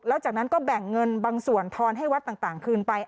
แล้วจากนั้นก็แบ่งเงินบางส่วนทอนให้วัดต่างคืนไป